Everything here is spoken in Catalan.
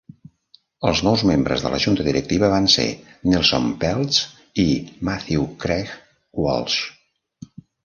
Els nous membres de la junta directiva van ser Nelson Peltz i Matthew Craig Walsh.